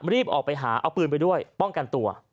รีบออกไปหาเอาปืนไปด้วยป้องกันตัว